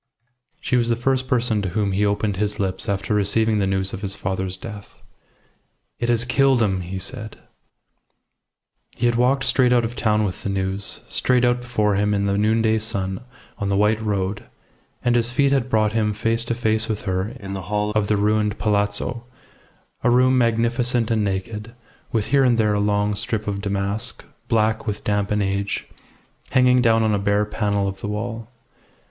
She was the first person to whom he opened his lips after receiving the news of his father's death. "It has killed him!" he said. He had walked straight out of town with the news, straight out before him in the noonday sun on the white road, and his feet had brought him face to face with her in the hall of the ruined palazzo, a room magnificent and naked, with here and there a long strip of damask, black with damp and age, hanging down on a bare panel of the wall.